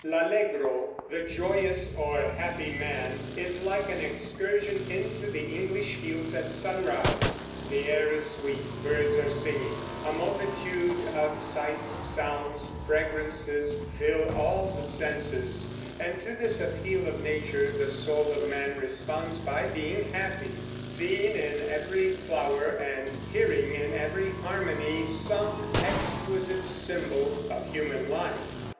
"L'Allegro" (the joyous or happy man) is like an excursion into the English fields at sunrise. The air is sweet; birds are singing; a multitude of sights, sounds, fragrances, fill all the senses; and to this appeal of nature the soul of man responds by being happy, seeing in every flower and hearing in every harmony some exquisite symbol of human life.